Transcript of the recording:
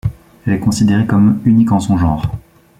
Elle est considérée comme unique en son genre.